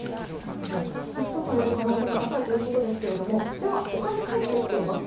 起訴される可能性が高いということですけれどもでは、お金が返ってきています。